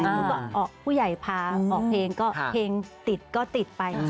หนูก็ผู้ใหญ่พาออกเพลงก็เพลงติดก็ติดไป